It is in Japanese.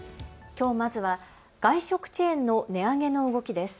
きょうまずは外食チェーンの値上げの動きです。